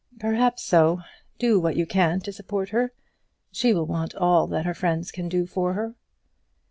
"Perhaps so. Do what you can to support her. She will want all that her friends can do for her."